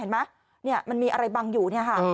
มันมีอะไรบังอยู่